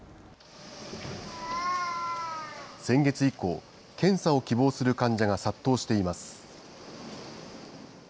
先月以降、検査を希望する患者が殺到しています。